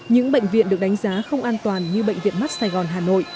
những bệnh viện được đánh giá không an toàn như bệnh viện mắt sài gòn hà nội